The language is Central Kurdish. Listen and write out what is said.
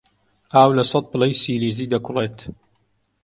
ئاو لە سەد پلەی سیلیزی دەکوڵێت.